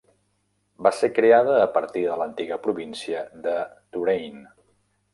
Va ser creada a partir de l'antiga província de Touraine.